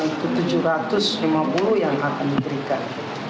itu tujuh ratus lima puluh yang akan diberikan